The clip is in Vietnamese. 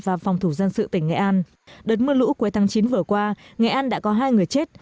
và phòng thủ dân sự tỉnh nghệ an đợt mưa lũ cuối tháng chín vừa qua nghệ an đã có hai người chết